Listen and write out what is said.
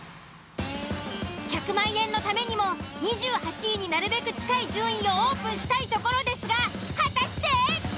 １００万円のためにも２８位になるべく近い順位をオープンしたいところですが果たして！？